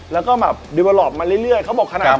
แล้วก็แบบดิเบอร์ลอปมาเรื่อยเขาบอกขนาด